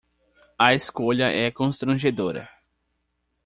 A escolha é constrangedora.